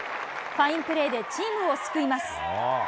ファインプレーでチームを救います。